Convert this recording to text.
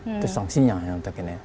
itu sanksinya untuk ini